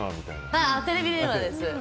テレビ電話です。